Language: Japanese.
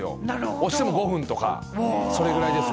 おしても５分とかそれぐらいです。